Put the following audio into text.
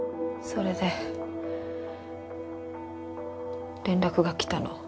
それで連絡が来たの？